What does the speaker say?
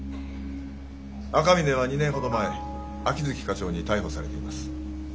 赤峰は２年ほど前秋月課長に逮捕されています。